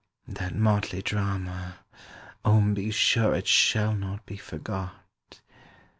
That motley drama oh, be sure It shall not be forgot!